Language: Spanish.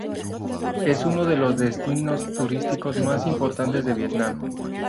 Es uno de los destinos turísticos más importantes de Vietnam.